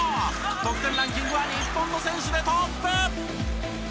得点ランキングは日本の選手でトップ！